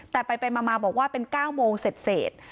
แต่ไปมาบอกว่าเป็น๙โมงเสร็จ